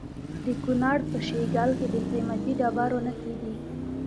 د کونړ په شیګل کې د قیمتي ډبرو نښې دي.